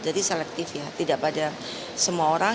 jadi selektif ya tidak pada semua orang